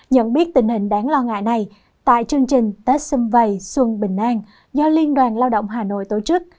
nhận biết tình hình đáng lo ngại này tại chương trình tết xuân vầy xuân bình an do liên đoàn lao động hà nội tổ chức